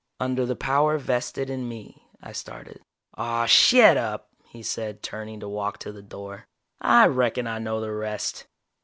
"Under the power vested in me " I started. "Aw, shet up," he said, turning to walk to the door. "I reckon I know the rest!"